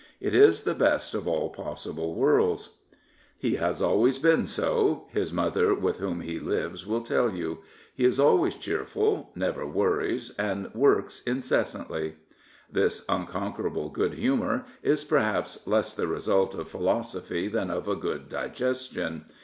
It is the best of all possible worlds. He has always been so,'' his mother, with whom he lives, will tell you. " He is always cheerful, never worries, and works incessantly." This unconquer j able good humour is perhaps less the result of philo sophy than of a good digestion.